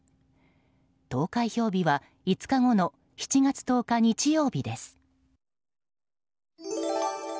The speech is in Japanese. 投開票日は５日後の７月１０日、日曜日です。